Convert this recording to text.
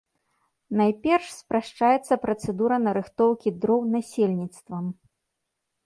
Найперш спрашчаецца працэдура нарыхтоўкі дроў насельніцтвам.